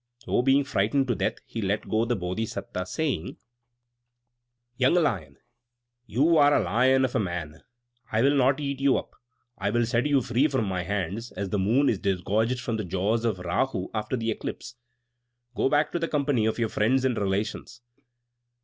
So, being frightened to death, he let go the Bodhisatta, saying: "Young sir, you are a lion of a man! I will not eat you up. I set you free from my hands, as the moon is disgorged from the jaws of Rāhu after the eclipse. Go back to the company of your friends and relations!"